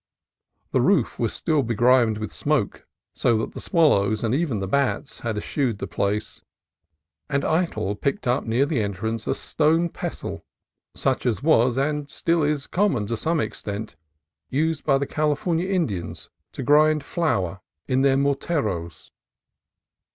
The roof was still begrimed with smoke, so that the swallows, and even the bats, had eschewed the place ; and Eytel picked up near the entrance a stone pestle, such as was, and still is to some extent, used by the Cali fornia Indians to grind flour in their morteros.